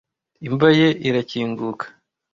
Imva ye irakinguka.